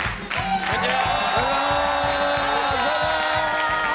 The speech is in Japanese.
こんにちは！